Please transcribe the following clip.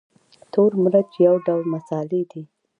تور مرچ یو ډول مسالې دي